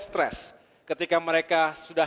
stres ketika mereka sudah